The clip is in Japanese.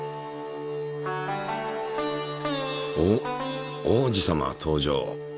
おっ王子様登場。